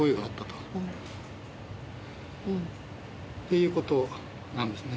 いうことなんですね。